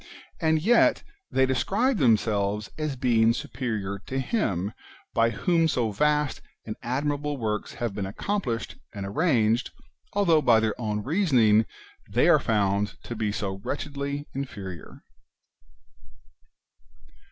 And yet they describe themselves as being superior to Him by whom so vast and admirable works have been accomplished and arranged, although by their own reasoning they are found to be so wretchedly inferior